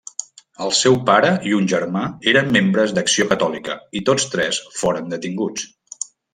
El seu pare i un germà eren membres d'Acció Catòlica, i tots tres foren detinguts.